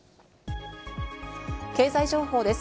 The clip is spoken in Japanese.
経済情報です。